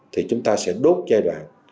thì chúng ta sẽ đốt giai đoạn